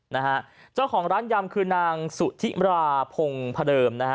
นะฮะเจ้าของร้านยำคือนางสุธิราพงศ์พระเดิมนะฮะ